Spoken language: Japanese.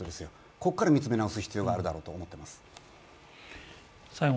ここから見つめ直す必要があるだろうと思っています。